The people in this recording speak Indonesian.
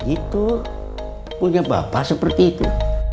itu punya bapak seperti itu